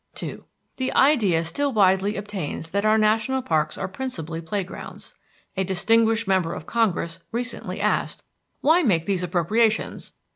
II The idea still widely obtains that our national parks are principally playgrounds. A distinguished member of Congress recently asked: "Why make these appropriations?